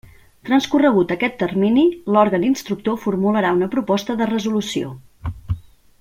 Transcorregut aquest termini, l'òrgan instructor formularà una proposta de resolució.